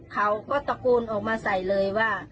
เขาก็ตะโกนออกมาใส่เลยว่า